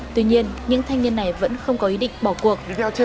tuy nhiên những thanh niên này vẫn không có ý định bỏ cuộc giao